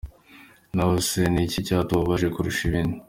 Naho se ni iki cyakubabaje kurusha ibindi?.